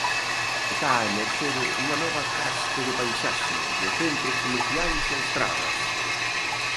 Está a emerxer unha nova caste de paisaxe, de centros comerciais e estradas.